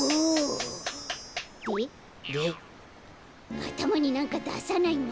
あたまになんかださないの？